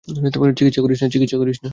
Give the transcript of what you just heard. চিৎকার করিস না।